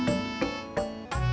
tidak ada yang bisa diberikan